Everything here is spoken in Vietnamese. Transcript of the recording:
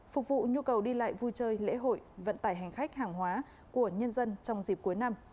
phục vụ nhu cầu đi lại vui chơi lễ hội vận tải hành khách hàng hóa của nhân dân trong dịp cuối năm